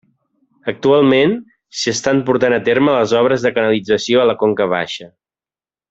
Actualment, s'hi estan portant a terme les obres de canalització a la conca baixa.